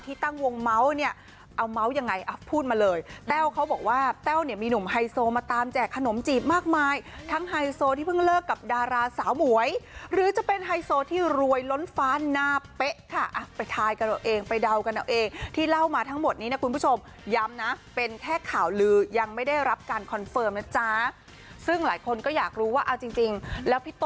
ตั้งวงเมาส์เนี่ยเอาเมาส์ยังไงอ่ะพูดมาเลยแต้วเขาบอกว่าแต้วเนี่ยมีหนุ่มไฮโซมาตามแจกขนมจีบมากมายทั้งไฮโซที่เพิ่งเลิกกับดาราสาวหมวยหรือจะเป็นไฮโซที่รวยล้นฟ้าหน้าเป๊ะค่ะไปทายกันเอาเองไปเดากันเอาเองที่เล่ามาทั้งหมดนี้นะคุณผู้ชมย้ำนะเป็นแค่ข่าวลือยังไม่ได้รับการคอนเฟิร์มนะจ๊ะซึ่งหลายคนก็อยากรู้ว่าเอาจริงแล้วพี่ต